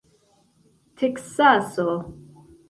teksaso